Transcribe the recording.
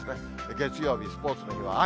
月曜日、スポーツの日は雨。